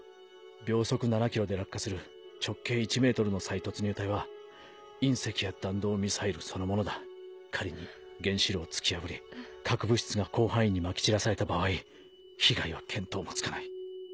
秒速７キロで落下する直径１ｍの再突入体は隕石や弾道ミサイルそのものだ仮に原子炉を突き破り核物質が広範囲にまき散らされた場合被害は見当もつかない。